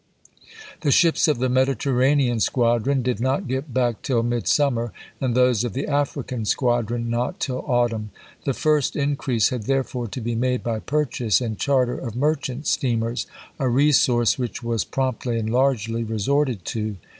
The ships of the Mediterranean squadron did not get back till midsummer, and those of the African squadron not till autumn. The first increase had therefore to be made by purchase and charter of merchant steamers, a resource which was promptly and largely resorted to.